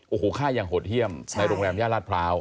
โอ้โหฆ่าอย่างโหดเยี่ยมในโรงแรมย่านราชพร้าว